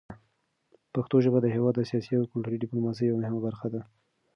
پښتو ژبه د هېواد د سیاسي او کلتوري ډیپلوماسۍ یوه مهمه برخه ده.